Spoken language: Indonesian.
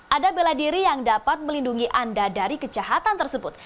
ada bela diri yang dapat melindungi anda dari kejahatan tersebut